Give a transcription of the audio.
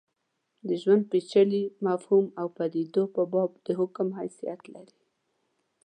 د ژوند پېچلي مفهوم او پدیدو په باب د حکم حیثیت لري.